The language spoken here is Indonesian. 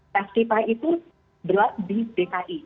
pes tipai itu berat di dki